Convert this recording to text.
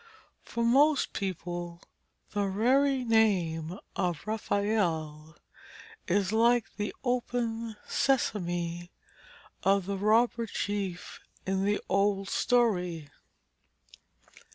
For most people the very name of 'Raphael' is like the 'Open Sesame' of the robber chief in the old story.